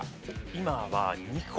今は２個。